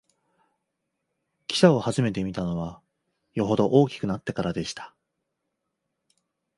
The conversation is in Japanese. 汽車をはじめて見たのは、よほど大きくなってからでした